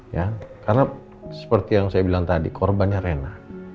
ya karena seperti yang saya bilang tadi korbannya rena